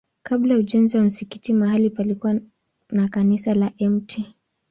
Kabla ya ujenzi wa msikiti mahali palikuwa na kanisa la Mt.